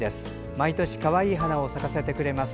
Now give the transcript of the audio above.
毎年かわいい花を咲かせてくれます。